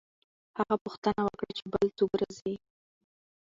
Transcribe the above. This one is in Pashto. هغه پوښتنه وکړه چې بل څوک راځي؟